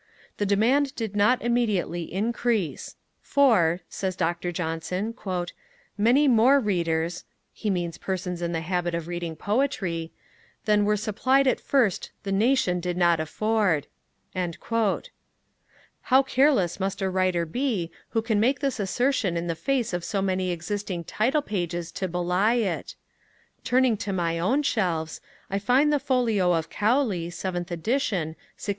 The demand did not immediately increase; 'for,' says Dr. Johnson, 'many more readers' (he means persons in the habit of reading poetry) 'than were supplied at first the Nation did not afford.' How careless must a writer be who can make this assertion in the face of so many existing title pages to belie it! Turning to my own shelves, I find the folio of Cowley, seventh edition, 1681.